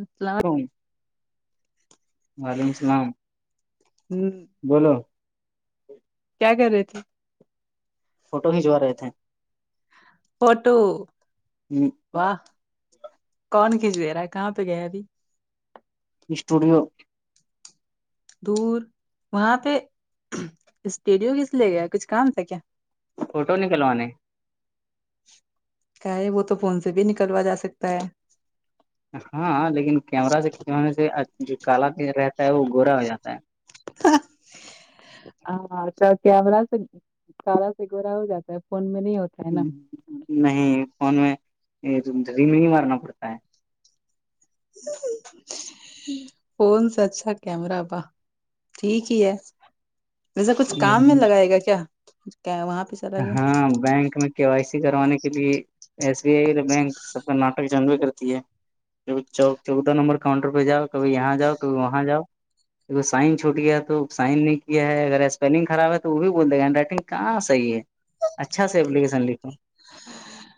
اچ وعلیکم السلام ہ بولو کیا کر رہے تھے فوٹو کھچوا رہے تھے فوٹو و کون کھچ دے رہا ہے کہاں پہ گیا ابھی اسٹوڈیو دور وہاں پہ اسٹیڈیو کس لیے گیا کچھ کام تھا کیا فوٹو نکلوانے کیا ہے وہ تو فون سے بھی نکلوا جا سکتا ہے ہاں لیکن کیمرہ سے کھنچوانے سے جو کال پ رہتا ہے وہ گورا ہو جاتا ہے ہ ہاں اچھا کیمرہ سے سارا سے گورا ہو جاتا ہے فون میں نہیں ہوتا ہے نا نہیں فون میں رم ہی مارنا پڑتا ہے ہ فون س اچھا کیمر با ٹھیک ہی ہے ویسا کچھ کام میں ہے لگائے گا کیا کیا وہاں پہ چلا گیا ہاں بینک میں کے وائی سی کروانے کے لیے ایس بی آئی بینک سب کا ناٹک جانوے کرتی ہے چوک چودہ نمبر کاؤنٹر پہ جاؤ کبھی یہاں جاؤ کبھی وہاں جاؤ د سائن چھوٹ گیا تو سائن نہیں کیا ہے اگر اسپیلنگ خراب ہے تو وہ بھی بول دے گا ہینڈ رائٹنگ کہاں صحیح ہے اچھا سا اپلیکیشن لکھو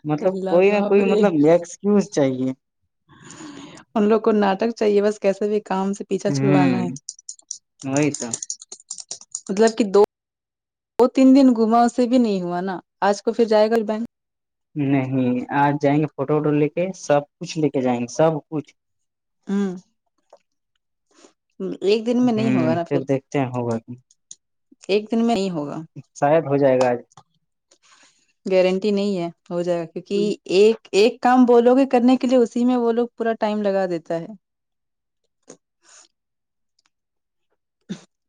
مطلب اللہ کوئی نہ کوئی بابرے مطلب ایکسکیوز چاہیے ان لوگ کو ناٹک چاہیے بس کیسے بھی کام سے پیھا چھڑوانا ہے ہ وہی تو مطلب کہ دو دو تین دن گھما اسے بھی نہیں ہوا نا آج کو پھر جائے گا بینک نہیں آج جائیں گے فوٹو ووٹو لے کے سب کچھ لے کے جائیں گے سب کچھ ہوں ایک دن میں نہیں ہوگا ہوں نا پھر دیکھتے ہیں ہوگا ایک دن میں نہیں ہوگا شاید ہو جائے گا آج [unintelligible] گارنٹی نہیں ہے ہو جائے گا کیونکہ ایک ایک کام ب لوگے کرنے کے لیے اسی میں وہ لو پورا ٹائم لگا دیتا ہے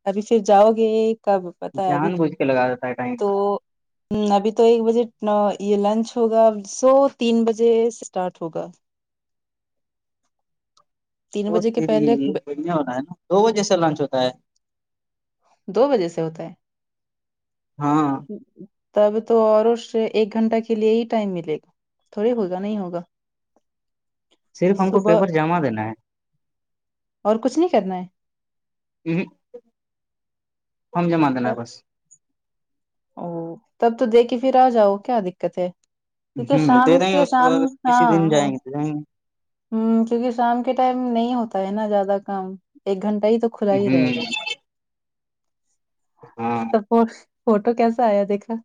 ابھی پھر جاؤ گے کب پتا ہے جان بوج کے لگااتا ہے ٹائم تو ہ ابھی تو ایک بجے یہ لنچ ہوگا سو تین بجے اسٹارٹ ہوگا تین وہ بجے کے پہلے تری ہو رہا ہے نا دو وہجہ سےا لانچ ہوتا ہے دو بجے سے ہوتا ہے ہاں تب تو اور اس سے ایک گھنٹہ کے لیے ہی ٹائم ملے گا تھوڑی ہوگا نہیں ہوگا صرف ہم کو صبح پیپر جمع دینا ہے اور کچھ نہیں کرنا ہے ہمم ہم جمع دینا ہے بس او تب تو دیکے پھر آ جاؤ کیا دقت ہے کیونکہ ہ شام دے دیں گے کے اس شام بعد اگر کسی ہاں دن ہاں جائیں گے تو جائیں ہمم کیونکہ شام کے ٹائم نہیں ہوتا ہے نا زیادہ کام ایک گھنٹہ ہی تو ہمم ہاں تفوس فوٹو کیسا آیا دیکھا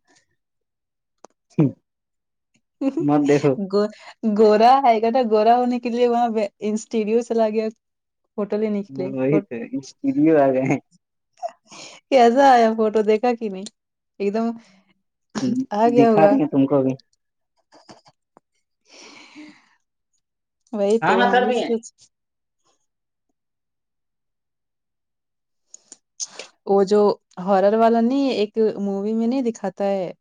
[inaudible] مت دیکھو [unintelligible] گورا آئے گا تھا گورا ہونے کے لیے وہاں پہ انسٹیریو چلا گیا فوٹو لینے کے لیے وہی تو اسٹوڈیو آ گئے ہیں کیسا آیا فوٹو دیکھا کہ نہیں ایک دم آگیا دکھا ہوگا دیں گے تم کو بھی وہی ہاں تو ہاں ہم سر بھی سونچے وہ جو ہارر والا نہیں ہے ایک مووی میں نہیں دکھاتا ہے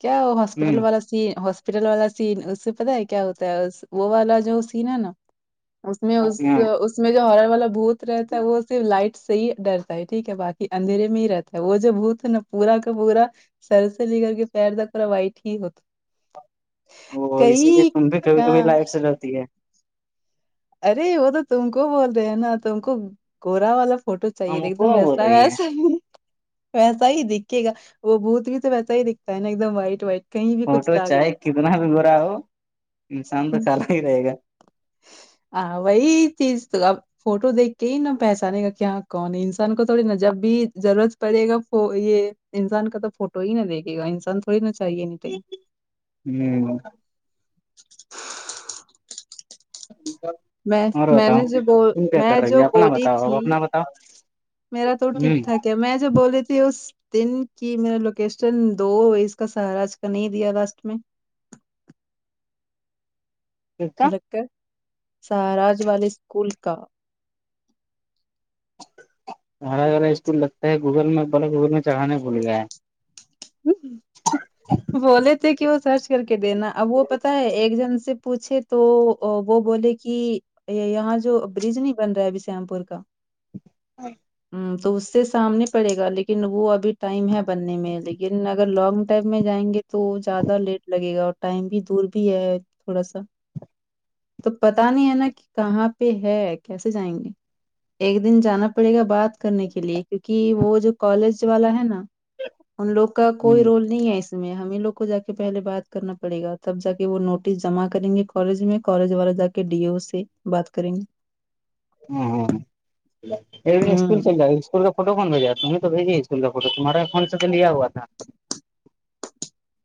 کیا وہ ہاسپٹل ہیں والا سین سین ہاسپٹل والا سین اس سے پتا ہے کیا ہوتا ہے وہ والا جو سین ہے نا اس میں اس اس میں جو ہرر والا بھوت رہتا ہے وہ صرف لائٹ سے ہی ڈر ٹھیک ہے باقی اندھیرے میں ہی رہتا ہے وہ جو بھوت ہے نا پورا کا پورا سر سے لے کر کے پیر تک پورا وائٹ ہی ہوتا اوہو اسی لیے کئی تم بھی کبھی ہاں کبھی لائٹ سے ڈرتی ہے ارے وہ تو تم کو بولتے ہیں نا تم کو گورا والا فوٹو چاہیے تھا ہم ایک کو دم بول ایسا رہی ہے ویسا ہی ویسا ہی دکھے گا وہ بھوت بھی تو ویسا ہی دکھتا ہے نا ایک دم وائٹ وائٹ کہیں بھی کچھ فوٹو داغ چاہے نہیں کتنا بھی برا ہو انسان تو کالا ہی رہے گا ہاں وہی چیز تو اب فوٹو دیکھ کے ہی نا پہچانے گا کیا کون ہے انسان کو تھوڑی نا جب بھی ضرورت پڑے گا یہ انسان کا تو فوٹو ہی نہا دیکے گا انسان تھوڑی نا چاہیے نہی کہی ہمم میں اور میں بتاؤ نے جو بول تم کیا کر میں رہی جو ہے اپنا بولی بتاؤ اب تھی اپنا بتاؤ میرا تو ٹھیک ہ ٹھاک ہے میں جو بول رہلی تھی اس دن کی میرا نے لوکیشن دو اس کا سہاراج کا نہیں دیا لاسٹ میں کا بلکڈ سہاراج والے اسکول کا سہاراج والا اسکول لگتا ہے گوگل میں پر گوگل میں چڑھانے بھول گیا ہے بولے تھے کہ وہ سرچ کر کے دینا اب وہ پتا ہے ایک جن سے پوچھے تو وہ بولے کہ یہ یہاں جو برج نہیں بن رہا ہے بشام پور کا [unintelligible] ہمم تو اس سے سامنے پڑے گا لیکن وہ ابھی ٹائم ہے بننے میں لیکن لیکن اگر لانگ ٹائم میں جائیں گے تو زیادہ لیٹ لگے گا اور ٹائم بھی دور بھی ہے تھوڑا سا تو پتا نہیں ہے نا کہ کہاں پہ ہے کیسے جائیں گے ایک دن جانا پڑے گا بات کرنے کے لیے کیونکہ وہ جو کالج والا ہے نا ان لوگو کا کوئی ہوں رول نہیں ہے اس میں ہمیں لوگ کو جا کے پہلے بات کرنا پڑے گا تب جا کے وہ نوٹس جمع کریں گے کالج میں کالج والا جا کے ڈی او سے بات کریں گے [unintelligible] ہوں فوٹو کون بھیجا تم ہی تو بھیجی اسکول کا فوٹو تمہارے فون سے تو لیا ہوا تھا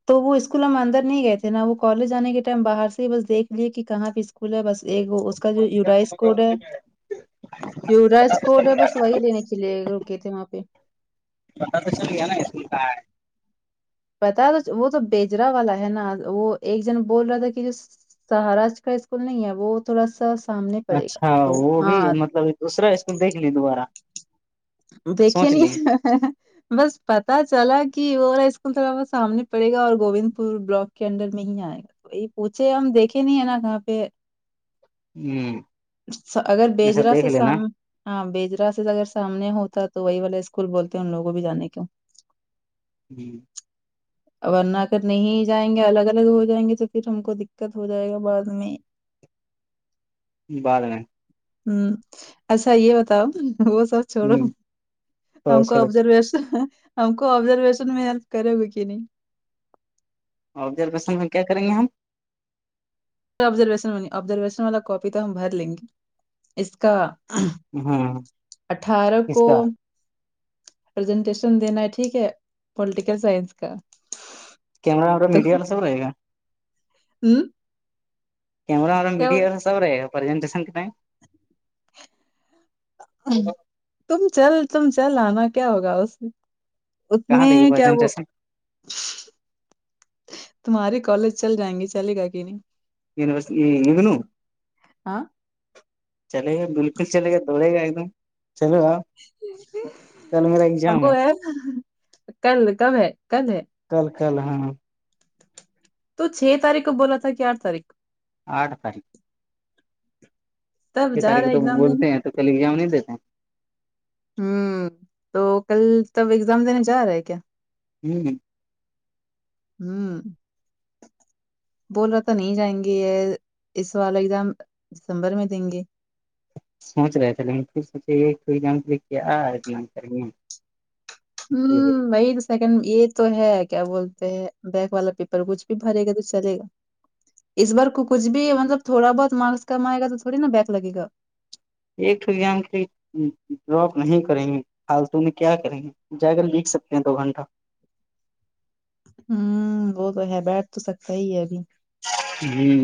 تو وہ اسکول ہم اندر نہیں گئے تھے نا وہ کالج آنے کے ٹائم باہر سے ہی بس دیکھ لیے کہاں پہ کل ہے بس ایک وہ اس کا جو یورائز کوڈ ہے جو رائس کوٹ ہے بس وہی لینے کے لیے رکے تھے وہاں پہ بت توشن گ ہے نا اس س کا ہے پتا تو وہ تو بیجرا والا ہے نا وہ ایک جن بول رہا تھا کہ جو سہاراج کا اسکول نہیں ہے وہ تھوڑا سا سامنے پڑے گا اچھا تو وہ بھی ہاں مطلب دوسرا اسکول دیکھ نہیں دوبارہ دیکھے سوچ لی نہیں بس پتا چلا کہ وہا اسکول تھوڑا بہت سامنے پڑے گا اور گوند پور بلاک کے انڈر میں ہی آئے گا وہی پوچھے ہم دیکھے نہیں ہے نا کہاں پہ ہ اگر ایسا بیجرا دیکھ سے لینا سام ہاں بیجرا سے اگر سامنے ہوتا تو وہی والا اسکول بولتے ہیں ان لوگوں بھی جانے کیوں جی اور ورنہ ا کر نہیں جائیں گے الگ الگ ہو جائیں گے تو پھر ہم کو دقت ہو جائے گا بعد میں بعد میں ہوں اچھا یہ بتاؤ وہ سب چھوڑو ہ ا تھوڑا کا تھوڑا ابزرویشن ہم کو ابزرویشن میں ہیلپ کرے گا کہ نہیں آبزرویشن میں کیا کریں گے ہم آبزرویشننی آبزرویشن والا کاپی تو ہم بھر لیں گے اس کا ہم ہاں اٹھارہ اس کو کا پزنٹیشن دینا ہے ٹھیک ہے پلیٹیکل سائنس کا مراا تو مڈیا والا سب رہی ہوں گارا والا کیا مڈیا ہو- وال ہے پرجن کی سنکھے نہیں تم چل تم چل آنا کیا ہوگا اس میں اس کہاں میں دے گی کیا وہ پرزنٹیشن تمہاریے کالج چل جائیں گی چلے گا کہ نہیں یہ ن لگ ن ہاں چلے گا بالکل چلے گا دوڑے گا ایک دم چلے گا وہ ہے کل کم ہے کل ہے کل کل ہاں تو چھ تاریخ کو بولا تھا کہ آھ تاریخ کو آھ تاریخ تب یہ جا تاریخ رہا ہے تو ایگزام دینے بولتے ہیں تو کلی ایگزام نہیں دیتے ہیں ہوں تو کل تب ایگزام دینے جا رہا ہے کیا ہوں ہوں بول رہا تھا نہیں جائیں گے یہ اس وال ایگزام دسمبر میں دیں گے سوچ رہے تھے لیکن پھر سوچے یہ جان لے کیا کر ہ م سیکنڈ یہ تو ہے کیا بولتے ہیں بیک والا پیپر کچھ بھی بھرے گا تو چلے گا اس بار کچھ بھی مطلب تھوڑا بہت مارکس کم آائے گا تو تھوڑی نا بییک لگے گا ایک توگزام کے ڈراپ نہیں کریں گ فالتو میں کیا کریں گ جا کر لکھ سکتے ہیں دو گھنٹہ ہوں وہ تو ہے بیٹھ تو سکتا ہی ہے ابھی ہوں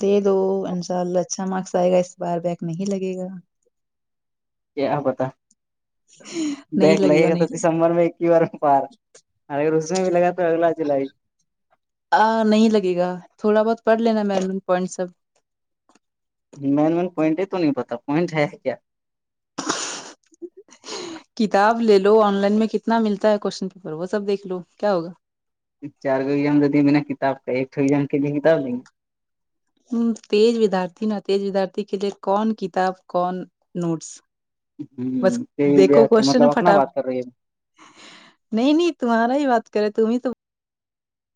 دے دو ان شاء اللہ اچھا مارکس آئے گا اس بار بیک نہیں لگے گا کیا پتا بیگ لگے گا تو دسمبر میں بارم پار اگر اس میں بھی لگا تو اگلا جلائی آ نہیں لگے گا تھوڑا بہت پڑھ لینا میم ان پوائنٹ سب مین مین پوائنٹ ہی تو نہیں پتا پوائنٹ ہے کیا کتاب لے لو آن لائن میں کتنا ملتا ہے کوشن پیپر وہ سب دیکھ لو کیا ہوگا چار کوام دتیے بنا کتاب کا ایک کے لیے کتاب لیں گے ہ تج ودارتیھی نا تج ودارتھی کہ ج کون کتاب کون نوٹس بس دیکھو کوشچن مطلب اپنا فٹاف بات کر رہی ہے نہیں نہیں تمہاری ہی بات کرے تم ہی تو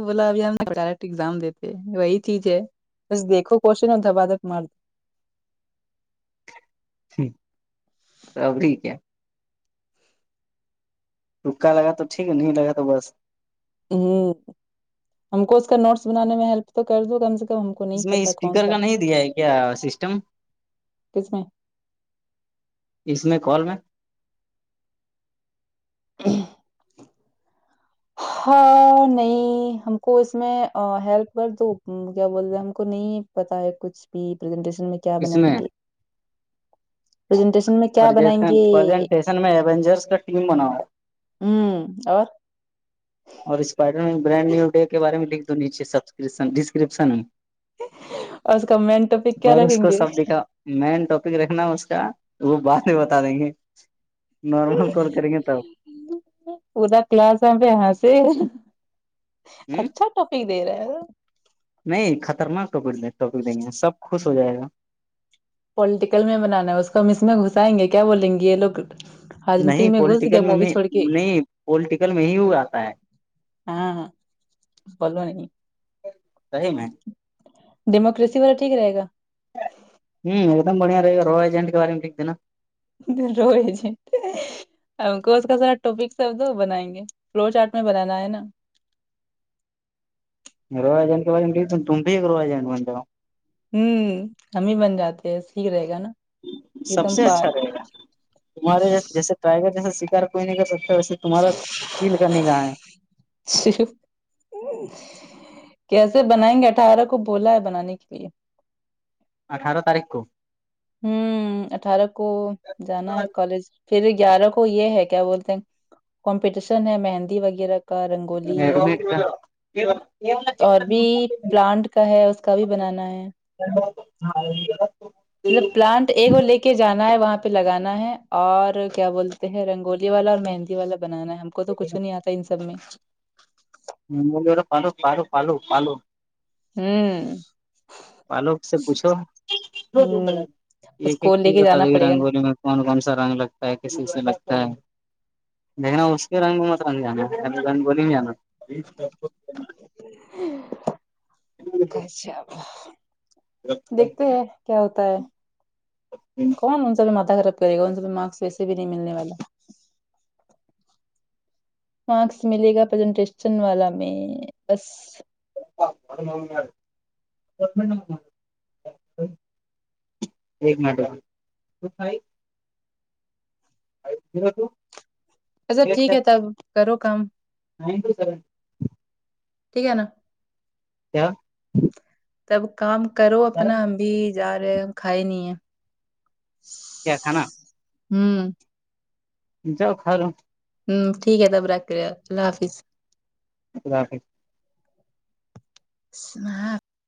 بولا ابھی ہم نے ڈائریکٹ ایگزام دیتے وہی چیز ہے بس دیکھو کوشچن اور دھبا دھک مار دو سب ٹھیک ہے رکا لگا تو ٹھیک ہے نہیں لگا تو بس ہ ہم کو اس کا نوٹس بنانے میں ہیلپ تو کر دوں کم سے کم کو اس نہیں میں پتا کون اسپیکر سا کا نہیں دیا ہے کیا سسٹم کس میں اس میں کال میں ہی ہاں نہیں ہم کو اس میں ہیلپ کر دو کیا بول رہے ہیں ہم کو نہیں پتا ہے کچھ بھی پرزنٹیشن میں کیا بنائیں گے پریزنٹیشن میں کیا بنائیں پرشن گے پرزنٹیشن میں ایینجرس کا ٹیم بنا ہوا ہوں اور اور اسپائڈر برانڈ نیو ڈے کے بارے میں لکھ دو نیچے سبن ڈسکرپشن میں اور اس کا مینٹ ٹاپک کیا اور اس رکھیں کو گے سب کا مین ٹاپک رہ نا اس کا وہ بعد میں بتا دیں گے نارمل کال کریں گے تب پا کلاس میں پہ ہسی ہ اچھا ٹفی دے رہے ہے نہیں خطرناک ٹک ٹوک دیں گے سب خوش ہو جائے گا پوولٹیکل میں بنانا ہے اس کو ہم اس میں گھسائیں گے کیا بولیں گے یہ لوگ راجنیتی نہیں میں گھس گیا پولٹیکل میں مووی نہیں چھوڑ کے نہیں پولٹیکل میں ہی ہو آتا ہے ہاں بو نہیں صی میں ڈیموکریسی والا ٹھیک رہے ہوں ایک دم بڑیا رہ گا روجنٹ کے بارے میں لکھ دینا رئے کو کا را ٹاپک سب دو بنائیں گے فلور چارٹ میں بنانا ہے نا روجان تو ب تم بھی ایک روج جان منتے ہوں ہم ہی بن جاتے ہیں سیک رہے گا نا ایک سب دم سے پار اچھا رہے گا تمہارے جیسے ٹائیگر جیسا شکار کوئی نہیں کر سکتا ویسے تمہارا چیل کا ن گا ہے [unintelligible] کیسے بنائیں گے اٹھارہ کو بولا ہے بنانے کے لیے اٹھارہ تاریخ کو ہوں اٹھارہ کو جانا ہے کالج پھر گیارہ کو یہ ہے کیا بولتے ہیں کمپٹیشن ہے مہندی وغیرہ کا رنگولی اور بھی پلانٹ کا ہے اس کا بھی بنانا ہے ہاں یہ پیلان ایک وہ لے کے جانا ہے وہاں پہ لگانا ہے اور کیا بولتے ہیں رنگولی والا اور مہندی والا بنانا ہے ہم کو تو کچھ نہیں آتا ان سب میں مگلا پالو پالو پالو پالو ہوں بالو سے پوچھو ہوں اس ایک ایک کو لے چیز کے بتا د جانا گی پڑے گا نا رنگولی میں کون کون سا رنگ لگتا ہے کسی سے لگتا ہے دیکھنا اس کے رن کو مت نہیں جانا رن بول نہیں جانا کھ دیکھتے ہیں کیا ہوتا ہے کون ان چل ماتا گ ر کرے گ ان سے تو مارکس ویسے بھی نہیں ملنے والا مارکس ملے گا پرزنٹیشن والا میں بس ج ایک مٹ آ کی تو اچھا ٹھیک ہے تب کرو کام تن و سر ٹھیک ہے نا کیا تب کام کرو اپنا ہم بھی جا رہے کھائے نہیں ہیں کیا کھانا ہوں جا خروں ہوں ٹھیک ہے تب رکھ رہے اللہ حافظ خد حافظ اس